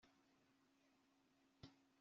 Nta kwitotomba kwa animasiyo gusohoka